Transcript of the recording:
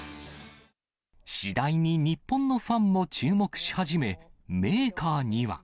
次第に日本のファンも注目し始め、メーカーには。